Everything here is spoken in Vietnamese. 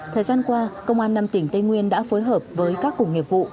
thời gian qua công an năm tỉnh tây nguyên đã phối hợp với các cục nghiệp vụ